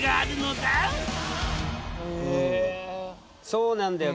そうなんだよ。